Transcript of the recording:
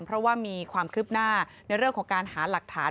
เพราะว่ามีความคืบหน้าในเรื่องของการหาหลักฐาน